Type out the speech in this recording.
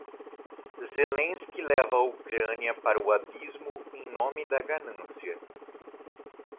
Zelensky leva a Ucrânia para o abismo em nome da ganância